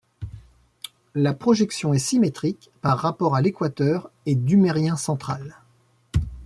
La projection est symétrique par rapport à l'équateur et duméridien central.